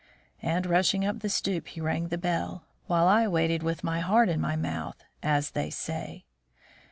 And rushing up the stoop, he rang the bell, while I waited below with my heart in my mouth, as they say.